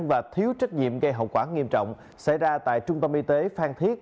và thiếu trách nhiệm gây hậu quả nghiêm trọng xảy ra tại trung tâm y tế phan thiết